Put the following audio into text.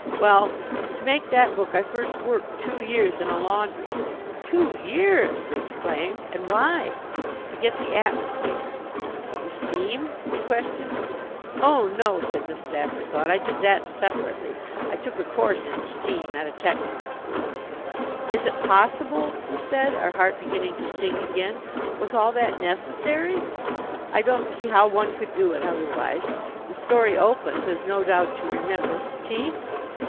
"Well, to make that book I first worked two years in a laundry." "Two years!" we exclaimed. "And why?" "To get the atmosphere." "The steam?" we questioned. "Oh, no," said Mrs. Afterthought, "I did that separately. I took a course in steam at a technical school." "Is it possible?" we said, our heart beginning to sing again. "Was all that necessary?" "I don't see how one could do it otherwise. The story opens, as no doubt you remember tea?